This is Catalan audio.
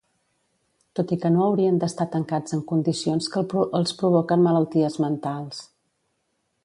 Tot i que no haurien d'estar tancats en condicions que els provoquen malalties mentals.